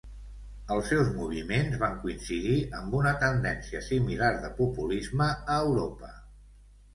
Els seus moviments van coincidir amb una tendència similar de populisme a Europa.